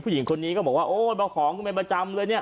ผู้หญิงคนนี้ก็บอกว่าโอ้ยเบาของไม่ประจำเลยเนี่ย